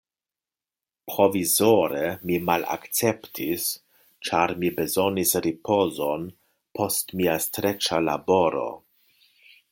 Provizore mi malakceptis, ĉar mi bezonis ripozon post mia streĉa laboro.